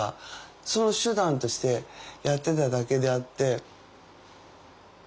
その手段としてやってただけであって。